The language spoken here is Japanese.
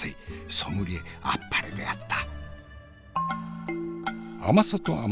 ソムリエあっぱれであった。